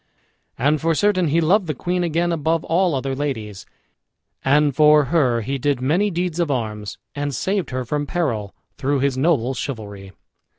And for certain he loved the queen again above all other ladies; and for her he did many deeds of arms, and saved her from peril, through his noble chivalry.